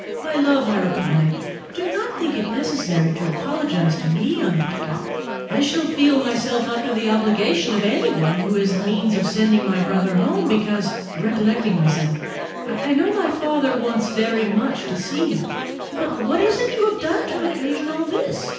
"My love," I replied, "do not think it necessary to apologize to me on that account. I shall feel myself under an obligation to anyone who is the means of sending my brother home, because," recollecting myself, "I know my father wants very much to see him. But what is it you have done to occasion all this?"